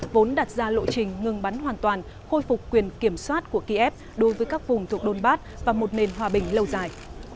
vốn đặt ra lộ trình ngừng bắn hoàn toàn khôi phục quyền kiểm soát của kiev đối với các vùng thuộc đôn bát và một nền hòa bình lâu dài